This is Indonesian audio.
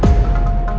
kamu sudah datang